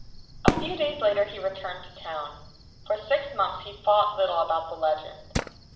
A few days later he returned to town. For six months he thought little about the legend.